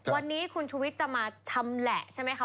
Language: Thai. วันนี้คุณชุวิตจะมาชำแหละใช่ไหมคะ